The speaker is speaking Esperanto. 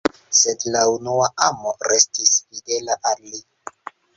Sed la unua amo restis fidela al li.